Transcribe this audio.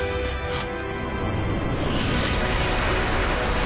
あっ。